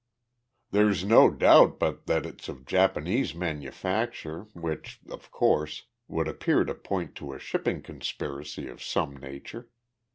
"There's no doubt but that it's of Japanese manufacture, which, of course, would appear to point to a shipping conspiracy of some nature.